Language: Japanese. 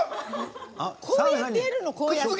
こうやってやるの！